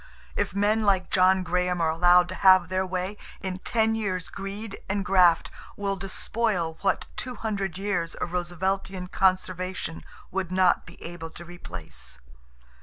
If men like John Graham are allowed to have their way, in ten years greed and graft will despoil what two hundred years of Rooseveltian conservation would not be able to replace."